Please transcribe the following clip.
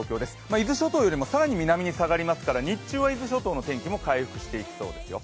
伊豆諸島よりも更に南に下がりますから、日中は伊豆諸島の天気も回復していきそうですよ。